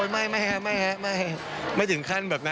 ไม่ไม่หรอครับไม่ถึงขั้นแบบนั้นครับ